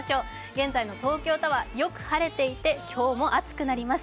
現在の東京タワーよく晴れていて今日も暑くなります。